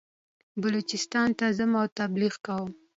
بلوچستان ته ځم او تبلیغ کوم.